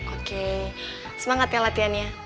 oke semangat ya latihannya